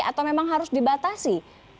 atau memang harus dibatasi